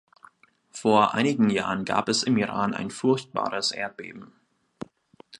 Vor einigen Jahren gab es im Iran ein furchtbares Erdbeben.